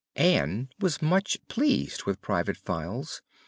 Ann was much pleased with Private Files.